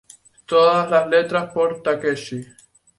Todas las letras por Takeshi.